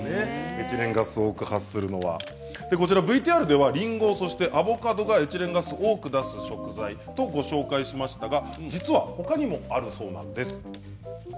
エチレンガスを多く発するのはＶＴＲではりんご、そしてアボカドがエチレンガスを多く出す食材とご紹介しましたが実はほかにもあるそうなんです。